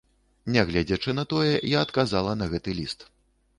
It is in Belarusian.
Нягледзячы на тое, я адказала на гэты ліст.